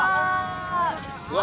うわ！